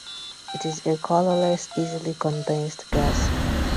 It is a colorless easily condensed gas.